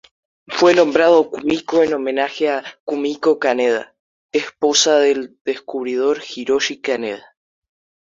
Fue nombrado Kumiko en homenaje a "Kumiko Kaneda", esposa del descubridor Hiroshi Kaneda.